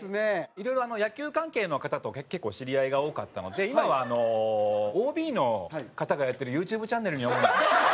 いろいろ野球関係の方と結構知り合いが多かったので今はＯＢの方がやってるＹｏｕＴｕｂｅチャンネルに主に。